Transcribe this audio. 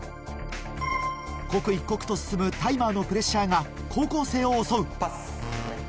刻一刻と進むタイマーのプレッシャーが高校生を襲うパス。